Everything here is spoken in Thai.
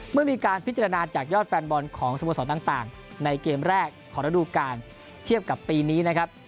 เมื่อมีการพิจารณาจากยอดแฟนบอลของสโมสรต่างในเกมแรกของระดูการเทียบกับปีนี้นะครับ